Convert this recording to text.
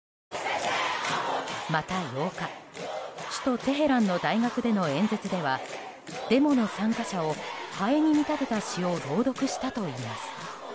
また８日首都テヘランの大学での演説ではデモの参加者をハエに見立てた詩を朗読したといいます。